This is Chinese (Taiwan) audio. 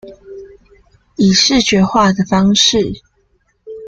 以視覺化的方式